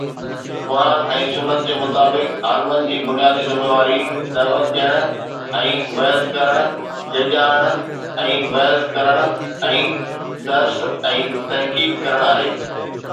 قرآن ۽ سنت جي مطابق عالمن جي بنيادي ذميواري دعوت ڏيڻ ۽ وعظ ڪرڻ، ڊيڄارڻ ۽ وعظ ڪرڻ ۽ درس ۽ تحقيق ڪرڻ آهي.